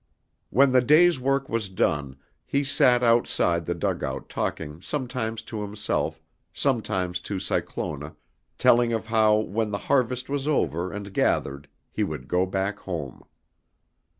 When the day's work was done he sat outside the dugout talking sometimes to himself, sometimes to Cyclona, telling of how when the harvest was over and gathered he would go back home.